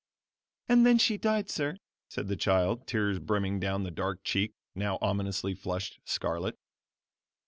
"And then she died, sir," said the child; tears brimming down the dark cheek now ominously flushed scarlet.